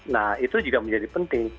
nah itu juga menjadi penting